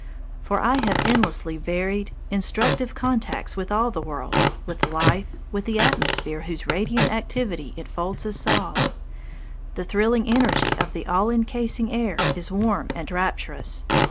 For I have endlessly varied, instructive contacts with all the world, with life, with the atmosphere whose radiant activity enfolds us all. The thrilling energy of the all encasing air is warm and rapturous.